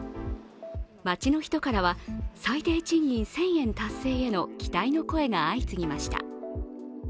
街の人からは最低賃金１０００円達成への期待の声が相次ぎました。